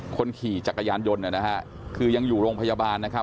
คนขี่จักรยานยนต์นะฮะคือยังอยู่โรงพยาบาลนะครับ